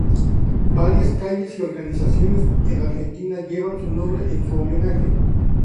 Varias calles y organizaciones en Argentina llevan su nombre en su homenaje.